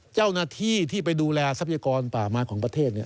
เจ้าหน้าที่ที่ไปดูแลทรัพยากรป่าไม้ของประเทศ